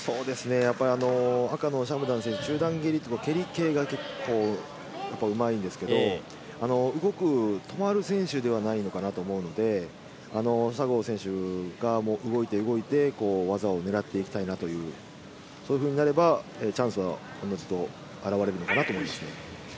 赤のシャムダン選手、中段蹴り、蹴り系が結構うまいんですけど、動きの止まる選手ではないのかなと思うので、佐合選手が動いて動いて技を狙っていきたいなという、そういうふうになればチャンスはおのずと現れるかなと思いますね。